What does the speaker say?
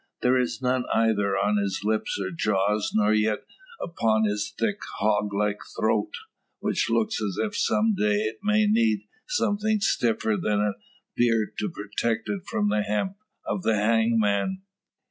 There is none either on his lips or jaws, nor yet upon his thick hog like throat; which looks as if some day it may need something stiffer than a beard to protect it from the hemp of the hangman.